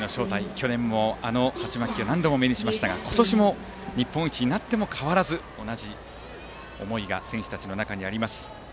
去年も何度も目にしましたが今年も日本一になっても変わらず同じ思いが選手たちの中にあります。